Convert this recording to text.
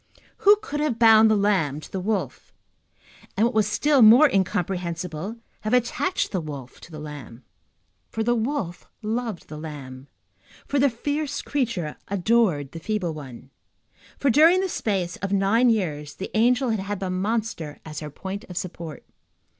Who could have bound the lamb to the wolf, and, what was still more incomprehensible, have attached the wolf to the lamb? For the wolf loved the lamb, for the fierce creature adored the feeble one, for, during the space of nine years, the angel had had the monster as her point of support.